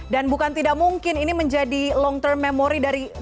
dan bukan tidak mungkin ini menjadi long term memory dari masyarakatnya